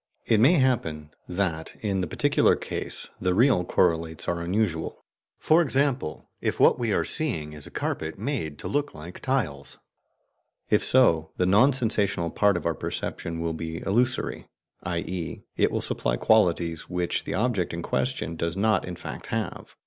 It may happen that, in the particular case, the real correlates are unusual; for example, if what we are seeing is a carpet made to look like tiles. If so, the non sensational part of our perception will be illusory, i.e. it will supply qualities which the object in question does not in fact have.